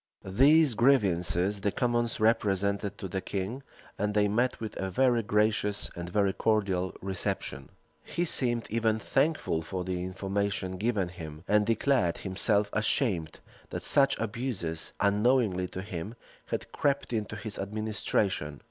These grievances the commons represented to the king and they met with a very gracious and very cordial reception. He seemed even thankful for the information given him; and declared himself ashamed that such abuses, unknowingly to him, had crept into his administration.